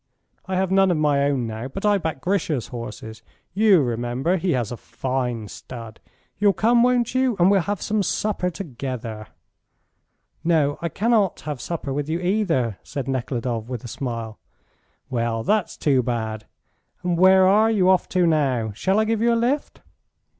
I have none of my own now, but I back Grisha's horses. You remember; he has a fine stud. You'll come, won't you? And we'll have some supper together." "No, I cannot have supper with you either," said Nekhludoff with a smile. "Well, that's too bad! And where are you off to now? Shall I give you a lift?"